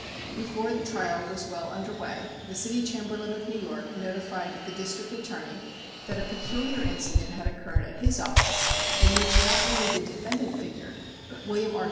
Before the trial was well under way the City Chamberlain of New York notified the District Attorney that a peculiar incident had occurred at his office, in which not only the defendant figured, but William R.